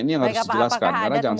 ini yang harus dijelaskan